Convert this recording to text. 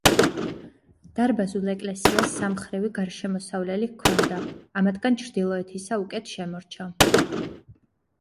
დარბაზულ ეკლესიას სამმხრივი გარშემოსავლელი ჰქონდა; ამათგან ჩრდილოეთისა უკეთ შემორჩა.